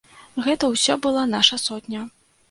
Гэта ўсё была наша сотня.